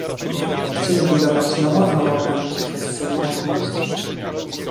Chcieli budować nową Europę poprzez solidarność